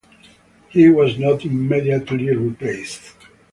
He was not immediately replaced.